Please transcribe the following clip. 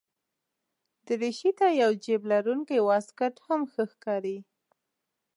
دریشي ته یو جېب لرونکی واسکټ هم ښه ښکاري.